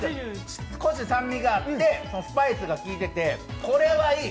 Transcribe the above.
少し酸味があってスパイスがきいていて、これはいい！